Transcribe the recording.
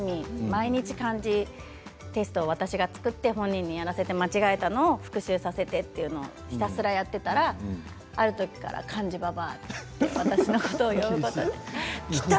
毎日漢字テストを私が作って本人にやらせて間違えたのを復習させてというのをひたすらやっていたらあるときから漢字ババアって私のことを呼んできた。